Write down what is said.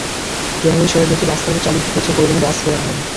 জনগণের সেবায় যেহেতু বাস সার্ভিস চালু হয়েছে, প্রয়োজনে বাস বাড়ানো হবে।